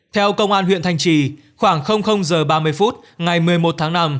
theo công an huyện thanh trì khoảng giờ ba mươi phút ngày một mươi một tháng năm